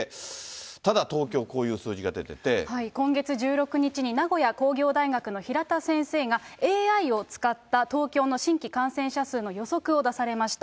ただ東京、今月１６日に、名古屋工業大学の平田先生が、ＡＩを使った東京の新規感染者数の予測を出されました。